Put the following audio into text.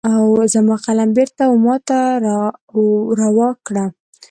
زما قلم بیرته وماته را روا کړه